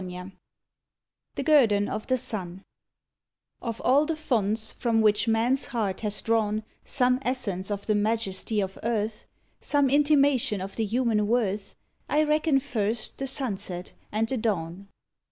83 THE GUERDON OF THE SUN Of all the fonts from which man's heart has drawn Some essence of the majesty of earth, Some intimation of the human worth, I reckon first the sunset and the dawn.